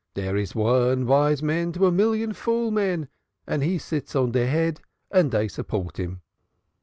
Dere! is one vise man to a million fool men and he sits on deir head and dey support him.